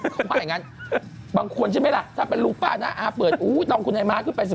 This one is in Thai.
เขาว่าอย่างนั้นบางคนใช่ไหมล่ะถ้าเป็นลุงป้าน้าอาเปิดอู้ดลองคุณไอ้ม้าขึ้นไปสิ